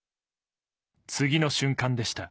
次の瞬間でした。